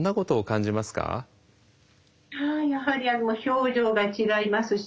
やはり表情が違いますし